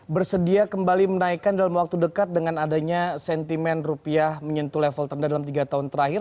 bersedia kembali menaikkan dalam waktu dekat dengan adanya sentimen rupiah menyentuh level terendah dalam tiga tahun terakhir